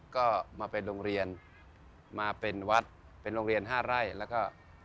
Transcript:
ก็มาเป็นโรงเรียนมาเป็นวัดเป็นโรงเรียน๕ไร่แล้วก็